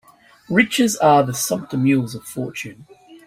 Riches are the sumpter mules of fortune.